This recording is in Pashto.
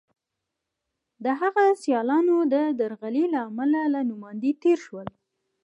د هغه سیالانو د درغلۍ له امله له نوماندۍ تېر شول.